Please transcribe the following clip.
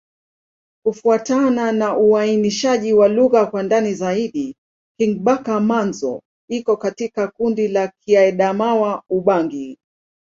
Kufuatana na uainishaji wa lugha kwa ndani zaidi, Kingbaka-Manza iko katika kundi la Kiadamawa-Ubangi.